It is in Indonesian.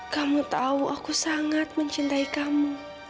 kamu tahu aku sangat mencintai kamu